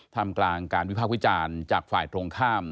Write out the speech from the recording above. ทำกลางการวิพากษ์วิจารณ์จากฝ่ายตรงข้าม